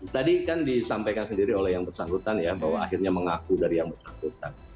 tadi kan disampaikan sendiri oleh yang bersangkutan ya bahwa akhirnya mengaku dari yang bersangkutan